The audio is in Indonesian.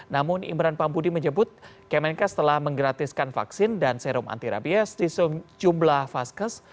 namun imran pampudi menyebut kemenkes telah menggratiskan vaksin dan serum anti rabies di sejumlah vaskes